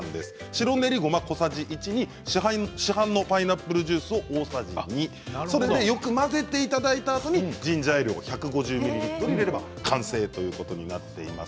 白練りごま小さじ１に市販のパイナップルジュースを大さじ２よく混ぜていただいたあとにジンジャーエール１５０ミリリットル入れれば完成ということです。